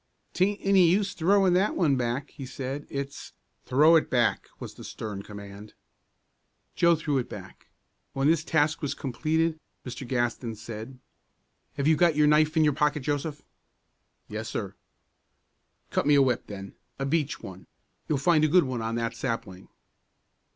"'Taint any use throwing that one back," he said. "It's " "Throw it back!" was the stern command. Joe threw it back. When this task was completed, Mr. Gaston said, "Have you got your knife in your pocket, Joseph?" "Yes, sir." "Cut me a whip, then, a beech one; you'll find a good one on that sapling."